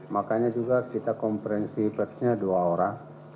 makanya juga kita komprensi persnya dua orang